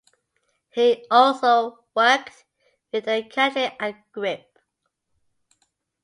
He also worked with the cadre at Grip.